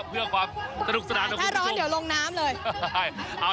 อยู่แล้วเพื่อความสนุกสนานถ้าร้อนเดี๋ยวลงน้ำเลยเอ้า